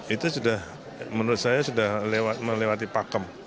itu sudah menurut saya sudah melewati pakem